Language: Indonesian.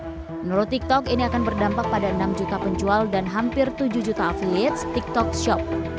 menurut tiktok ini akan berdampak pada enam juta penjual dan hampir tujuh juta afiliate tiktok shop